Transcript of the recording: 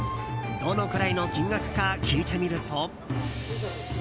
どのくらいの金額か聞いてみると。